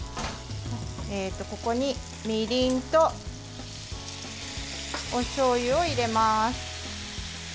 ここにみりんと、おしょうゆを入れます。